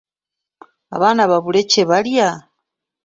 Abaana babulye kye balya!